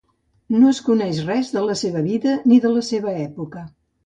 No es coneix res de la seva vida ni de la seva època.